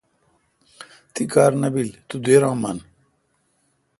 تی کار نہ بیل تو دیرہ من